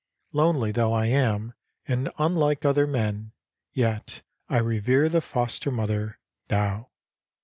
Lonely though I am and unlike other men, yet I revere the Foster Mother, Tao.